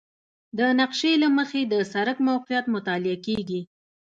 د نقشې له مخې د سړک موقعیت مطالعه کیږي